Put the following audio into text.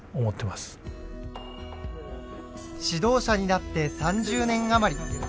指導者になって３０年余り。